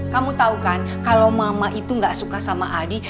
kamu tahu kan kalau mama itu gak suka sama adi